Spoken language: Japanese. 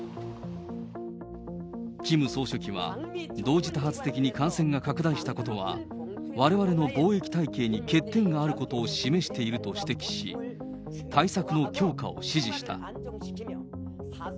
キム総書記は、同時多発的に感染が拡大したことは、われわれの防疫体系に欠点があることを示していると指摘し、対策の強化を指示した。